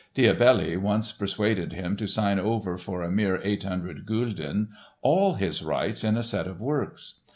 Diabelli once persuaded him to sign over for a mere 800 Gulden all his rights in a set of works.